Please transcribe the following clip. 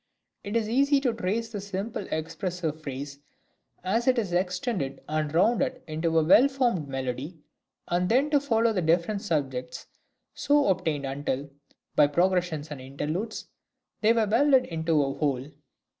It is easy to trace the simple expressive phrase as it is extended and rounded into a well formed melody, and then to follow the different subjects so obtained until, by progressions and interludes, they are welded into a whole.